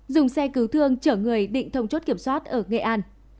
dùng xe cứu thương chở người định thông chốt kiểm soát ở nghệ an